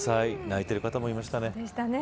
泣いている方もいましたね。